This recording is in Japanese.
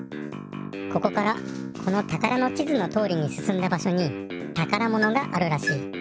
ここからこのたからの地図のとおりにすすんだばしょにたからものがあるらしい。